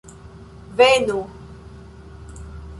venu